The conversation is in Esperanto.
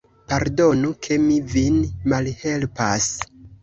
Pardonu, ke mi vin malhelpas.